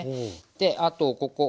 であとここ。